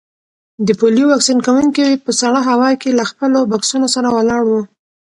د پولیو واکسین کونکي په سړه هوا کې له خپلو بکسونو سره ولاړ وو.